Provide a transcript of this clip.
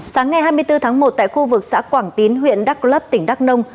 sáng ngày hai mươi bốn tháng một tại khu vực xã quảng tín huyện đắk lấp tỉnh đắk nông